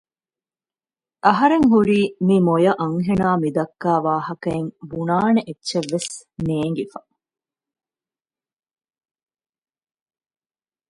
އަހަރެން ހުރީ މި މޮޔަ އަންހެނާ މިދައްކާ ވާހައިން ބުނާނެ އެއްޗެއްވެސް ނޭންގިފަ